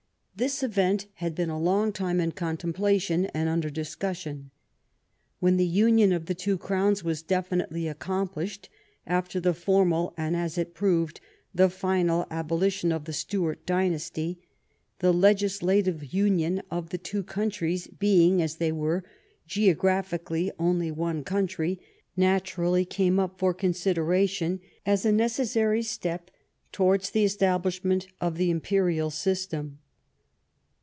This event had been a long time in contemplation and under discussion. When the union of the two crowns was definitely accomplished, after the formal and, as it proved, the final abolition of the Stuart dynasty, the legislative union of the two coun tries, being, as they were, geographically only one country, naturally came up for consideration as a necessary step towards the establishment of the im perial system.